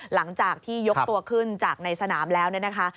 หลังจากที่ยกตัวขึ้นจากในสนามแล้วเนี่ยนะคะ